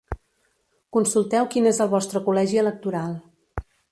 Consulteu quin és el vostre col·legi electoral.